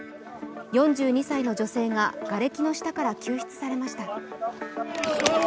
４２歳の女性ががれきの下から救出されました。